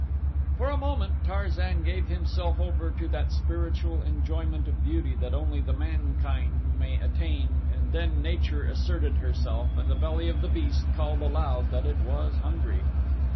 For a moment Tarzan gave himself over to that spiritual enjoyment of beauty that only the man mind may attain and then Nature asserted herself and the belly of the beast called aloud that it was hungry.